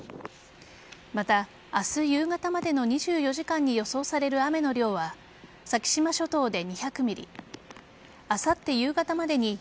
また、明日夕方までの２４時間に予想される雨の量は先島諸島で２００ｍｍ